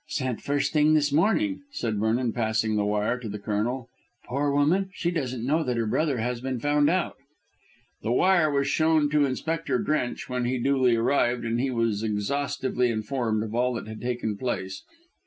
"Sent first thing this morning," said Vernon passing the wire to the Colonel. "Poor woman! she doesn't know that her brother has been found out." The wire was shown to Inspector Drench when he duly arrived, and he was exhaustively informed of all that had taken place.